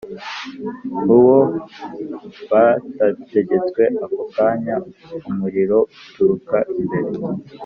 uwo batategetswe Ako kanya umuriro uturuka imbere